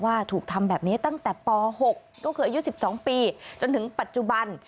ถูกทำแบบนี้ตั้งแต่ป๖ก็คืออายุ๑๒ปีจนถึงปัจจุบัน